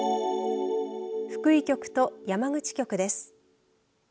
福井局と山口局です。